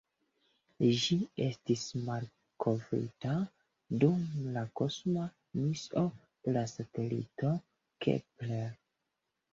Ĝi estis malkovrita dum la kosma misio de la satelito Kepler.